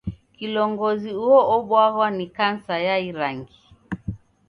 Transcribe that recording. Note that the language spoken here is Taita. Kilongozi uo obwaghwa ni kansa ya irangi.